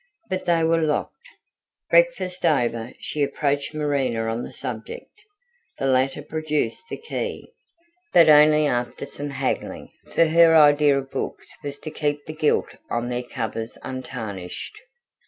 But they were locked. Breakfast over, she approached Marina on the subject. The latter produced the key, but only after some haggling, for her idea of books was to keep the gilt on their covers untarnished.